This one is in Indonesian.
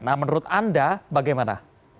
nah menurut anda bagaimana